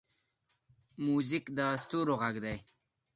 موزیک د ستوریو غږ دی.